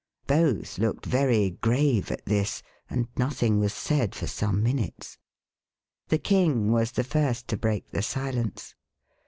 Both looked very grave at this, and nothing was said for some minutes. The King was the first to break the silence.